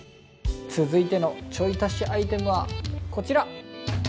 続いてのちょい足しアイテムはこちら。